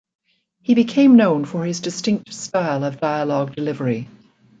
He became known for his distinct style of dialogue delivery.